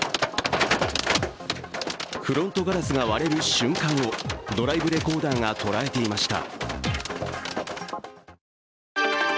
フロントガラスが割れる瞬間をドライブレコーダーが捉えていました。